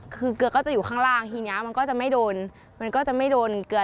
คือเกลือก็จะอยู่ข้างล่างทีนี้มันก็จะไม่โดนเกลือ